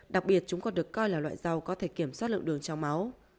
đặc biệt chúng còn được coi là loại rau có thể kiểm soát lượng đường trong máu